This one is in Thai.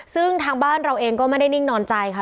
ซึ่งทางบ้านเราเองก็ไม่ได้นิ่งนอนใจค่ะ